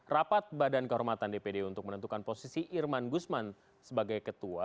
rapat badan kehormatan dpd untuk menentukan posisi irman gusman sebagai ketua